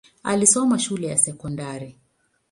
Alisoma shule ya sekondari.